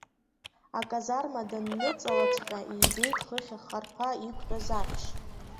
Аказарма данныҵалаҵәҟьа ибеит хыхь ахарԥа иқәтәаз ахьшь.